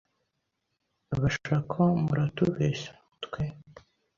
Basha ko muratubesha, twe